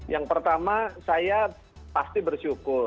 yang pertama saya pasti bersyukur